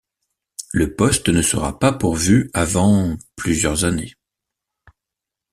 Le poste ne sera pas pourvu avant plusieurs années.